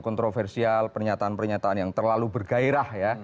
kontroversial pernyataan pernyataan yang terlalu bergairah ya